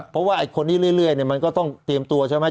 เพราะว่าไอ้คนนี้เรื่อยมันก็ต้องเตรียมตัวใช่ไหม